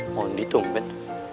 mohon ditunggu ben